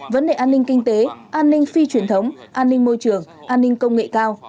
vấn đề an ninh kinh tế an ninh phi truyền thống an ninh môi trường an ninh công nghệ cao